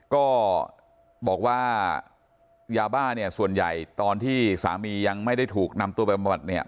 ก็บอกว่ายาบ้าเนี่ยส่วนใหญ่ตอนที่สามียังไม่ได้ถูกนำตัวไปบำบัดเนี่ย